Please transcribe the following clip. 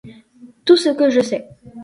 Tout ce que je sais.